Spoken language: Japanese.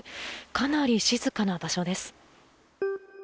かなり静かな場所です。